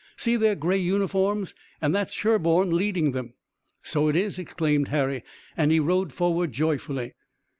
See their gray uniforms, and that's Sherburne leading them!" "So it is!" exclaimed Harry, and he rode forward joyfully.